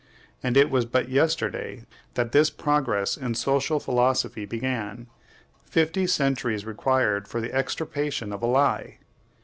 And it was but yesterday that this progress in social philosophy began: fifty centuries required for the extirpation of a lie!